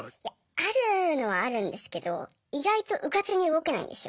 あるのはあるんですけど意外とうかつに動けないんですよ。